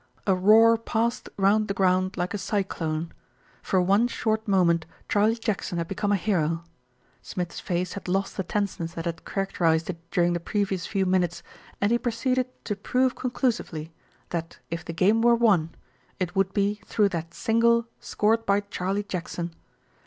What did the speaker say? A roar passed round the ground like a cyclone. For one short moment Charlie Jackson had become a hero. Smith's face had lost the tenseness that had character ised it during the previous few minutes, and he pro ceeded to prove conclusively that if the game were won, it would be through that single scored by Charlie Jackson.